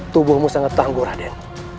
tubuhmu sangat tangguh raden